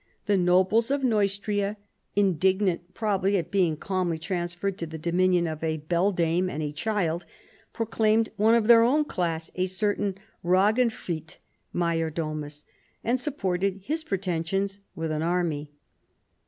The nobles of Neustria, indignant, probably, at being calmly transferred to the dominion of a beldame and a child, proclaimed one of their own class, a certain Raginfrid, major domus and supported his pretensions with an army.